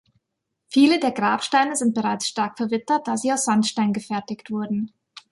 Viele der Grabsteine sind bereits stark verwittert, da sie aus Sandstein gefertigt wurden.